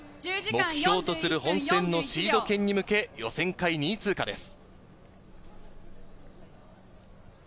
目標とする本戦のシード権に向け、予選会２位通過です。